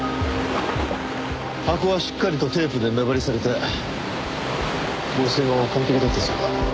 箱はしっかりとテープで目張りされて防水も完璧だったそうだ。